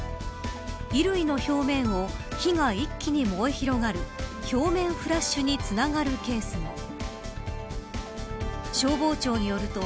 衣類の表面を火が一気に燃え広がる表面フラッシュにつながるケースも。